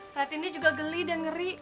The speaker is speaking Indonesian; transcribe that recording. ratni juga geli dan ngeri